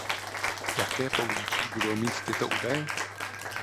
Jaké použití budou mít tyto údaje?